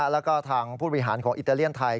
แล้วก็ทางผู้บริหารของอิตาเลียนไทย